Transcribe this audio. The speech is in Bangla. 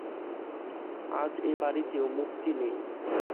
আজ এ বাড়িতেও মুক্তি নেই।